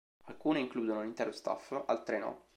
Alcune includono l'intero staff, altre no.